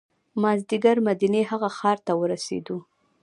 مازدیګر مدینې هغه ښار ته ورسېدو.